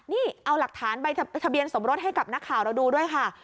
นี่เอาหลักฐานใบทะเบียนสมรสให้กับนักข่าวเราดูด้วยค่ะ